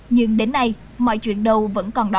nhưng đến nay mọi chuyện đầu vẫn còn đó